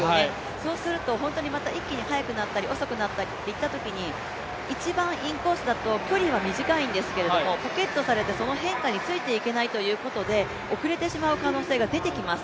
そうすると、本当にまた一気に速くなったり、遅くなったりといったときに一番インコースだと距離は短いんですけれども、ポケットされてその変化についていけないということで遅れてしまう可能性が出てきます。